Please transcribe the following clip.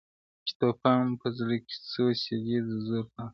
چي د توپان په زړه کي څو سېلۍ د زور پاته دي-